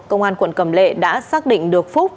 công an quận cầm lệ đã xác định được phúc